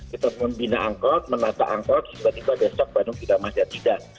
kita membina angkot menata angkot tiba tiba besok bandung tidak masuk tidak